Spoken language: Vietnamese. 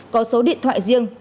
có số điện thoại riêng